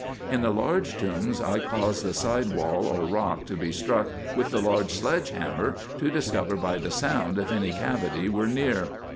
In the large tombs I caused the side wall or rock to be struck with the large sledge hammer, to discover by the sound if any cavity were near.